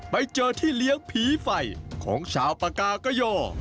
ไปเจอที่เลี้ยงผีไฟของชาวปากากะย่อ